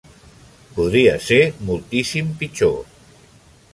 Podria ser moltíssim pitjor.